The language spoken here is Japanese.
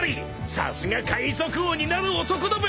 ［さすが海賊王になる男だべ］